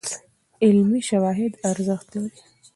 علمي شواهد ارزښت لري.